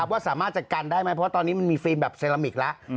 ว่าสามารถจัดการได้ไหมเพราะตอนนี้มันมีฟิล์มแบบเซรามิกแล้ว